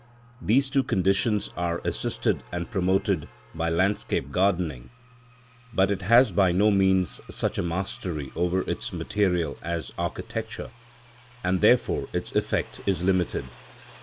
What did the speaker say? These two conditions are assisted and promoted by landscape gardening, but it has by no means such a mastery over its material as architecture, and therefore its effect is limited.